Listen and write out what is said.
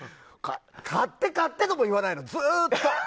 買って、買ってとも言わないの。